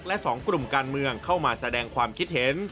และ๒กลุ่มการเมืองเข้ามาแสดงความคิดเห็น